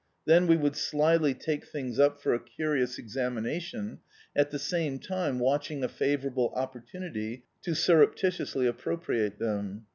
Then we would slyly take things up for a curious examination, at the same time watching a favourable opportunity to surrep titiously appropriate them.